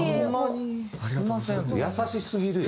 優しすぎるよ。